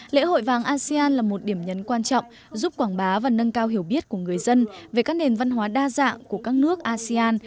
lễ hội vàng asean là một điểm nhấn quan trọng giúp quảng bá và nâng cao hiểu biết của người dân về các nền văn hóa đa dạng của các nước asean